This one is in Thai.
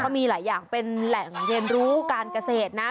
มีหลายอย่างเป็นแหล่งเรียนรู้การเกษตรนะ